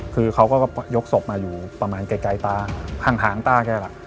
คือเขาก็ยกศพมาอยู่ประมาณไกลตาข้างตาแกล่ะ